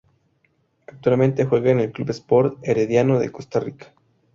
Actualmente juega en el Club Sport Herediano de Costa Rica.